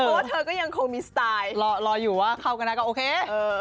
รออยู่ว่าเข้ากันแล้วก็โอเคเออ